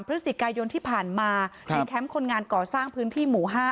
พฤศจิกายนที่ผ่านมาในแคมป์คนงานก่อสร้างพื้นที่หมู่๕